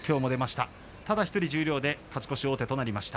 ただ１人十両で勝ち越し王手となりました。